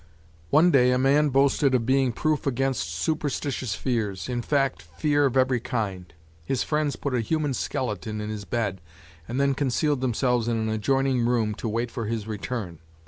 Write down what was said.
One day a man boasted of being proof against superstitious fears, in fact, fear of every kind; his friends put a human skeleton in his bed and then concealed themselves in an adjoining room to wait for his return.